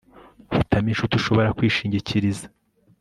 Hitamo inshuti ushobora kwishingikiriza